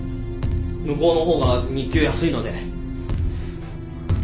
向こうの方が日給安いので。